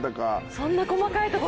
そんな細かいとこで？